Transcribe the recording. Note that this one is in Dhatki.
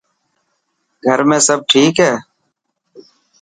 گھر ۾ سڀ ٺيڪ هي؟